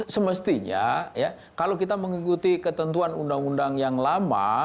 semestinya ya kalau kita mengikuti ketentuan undang undang yang lama